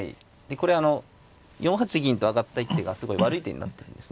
これあの４八銀と上がった一手がすごい悪い手になってるんですね。